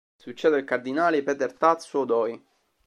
Succede al cardinale Peter Tatsuo Doi.